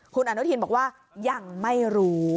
คุณอนุทินบอกว่ายังไม่รู้